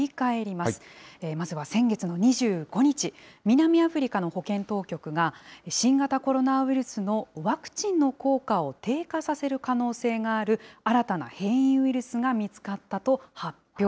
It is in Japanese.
まずは先月の２５日、南アフリカの保健当局が、新型コロナウイルスのワクチンの効果を低下させる可能性がある新たな変異ウイルスが見つかったと発表。